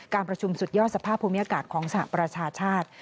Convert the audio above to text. การประชุมสุดยอดสภาพภูมิอากาศของสหประชาชาติ